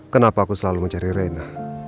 kenapa aku selalu mencari reina